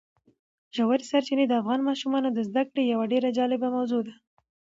ژورې سرچینې د افغان ماشومانو د زده کړې یوه ډېره جالبه موضوع ده.